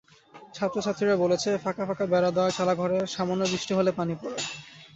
ছাত্রছাত্রীরা বলেছে, ফাঁকা ফাঁকা বেড়া দেওয়া চালাঘরে সামান্য বৃষ্টি হলে পানি পড়ে।